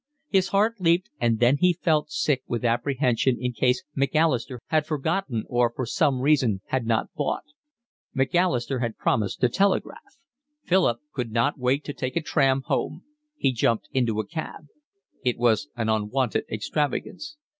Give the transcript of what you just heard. His heart leaped, and then he felt sick with apprehension in case Macalister had forgotten or for some reason had not bought. Macalister had promised to telegraph. Philip could not wait to take a tram home. He jumped into a cab. It was an unwonted extravagance.